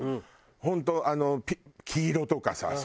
本当あの黄色とかさ。